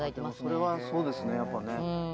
・それはそうですねやっぱね。